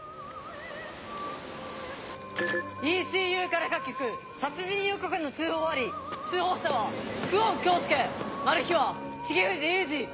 ＥＣＵから各局殺人予告の通報あり通報者は久遠京介マルヒは重藤雄二。